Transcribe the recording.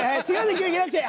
今日行けなくて。